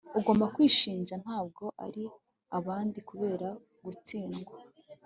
ugomba kwishinja, ntabwo ari abandi, kubera gutsindwa